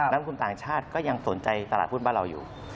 นักลงทุนต่างชาติก็ยังสนใจตลาดหุ้นบ้านเราอยู่